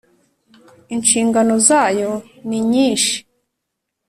Inshingano zayo ninyishi.